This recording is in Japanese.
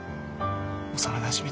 幼なじみ